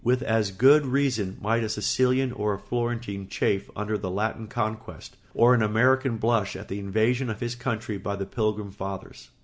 With as good reason might a Sicilian or a Florentine chafe under the Latin conquest, or an American blush at the invasion of his country by the Pilgrim Fathers.